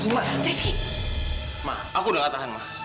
ma aku udah gak tahan ma